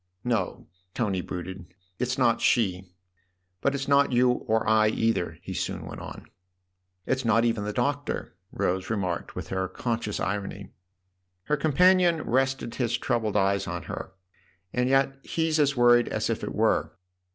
"No," Tony brooded; "it's not she. But it's not you and I either," he soon went on. " It's not even the Doctor," Rose remarked with her conscious irony. Her companion rested his troubled eyes on her. "And yet he's as worried as if it were."